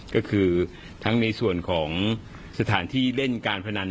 ก็คือทั้งในส่วนของสถานที่เล่นการพนัน